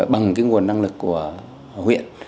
bằng nguồn năng lực của huyện